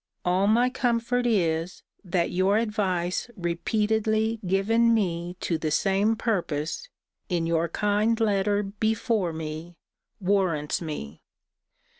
All my comfort is, that your advice repeatedly given me to the same purpose, in your kind letter before me, warrants me.